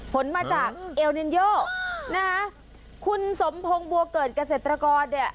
ผลมาจากเอ๋อนิยโกนะฮะคุณสมพงค์บัวเกิดเกษตรกอดเฮ้ย